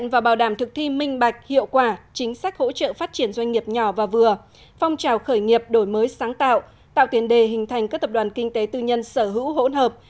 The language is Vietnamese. và bảo đảm thực thi minh bạch hiệu quả chính sách hỗ trợ phát triển doanh nghiệp nhỏ và vừa phong trào khởi nghiệp đổi mới sáng tạo tạo tiền đề hình thành các tập đoàn kinh tế tư nhân sở hữu hỗn hợp